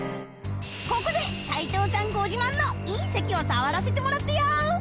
ここで齊藤さんご自慢の隕石を触らせてもらったよー！